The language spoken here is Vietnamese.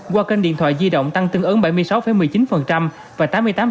qua kênh điện thoại di động tăng tương ứng bảy mươi sáu một mươi chín và tám mươi tám